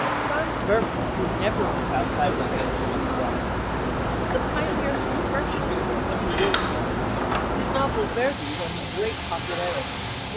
Franz Werfel, who never went outside the range of bourgeois ideas, was the pioneer of expressionism twenty years ago. His novel Verdi won him great popularity.